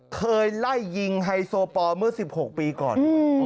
เคยไล่ยิงไฮโซปอลเมื่อ๑๖ปีก่อน